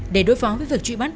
để đối phó với việc trụi bắt